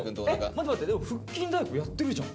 待って待ってでも腹筋太鼓やってるじゃん。